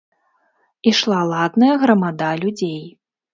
Ішла ладная грамада людзей.